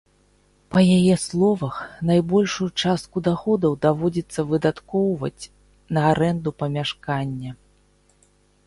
Па яе словах, найбольшую частку даходаў даводзіцца выдаткоўваць на арэнду памяшкання.